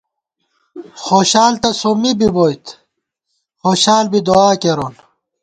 خوشال تہ سومّی بی بوئیت، خوشال بی دُعا کېرون